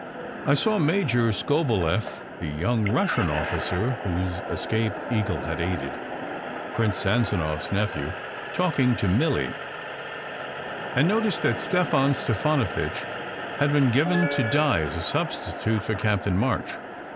I saw Major Skobeleff, the young Russian officer whose escape Eagle had aided Prince Sanzanow s nephew talking to Milly; and noticed that Stefan Stefanovitch had been given to Di as a substitute for Captain March.